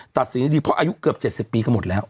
ตัดสินดีเพราะอายุเกือบ๗๐ปีก็หมดแล้ว